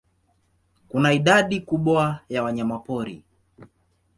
Kuna idadi kubwa ya wanyamapori.